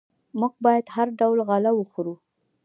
موږ باید هر ډول غله وخورو.